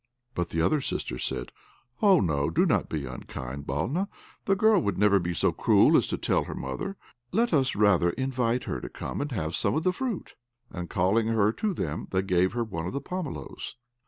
But the other sisters said, "Oh no, do not be unkind, Balna. The girl would never be so cruel as to tell her mother. Let us rather invite her to come and have some of the fruit." And calling her to them, they gave her one of the pomeloes.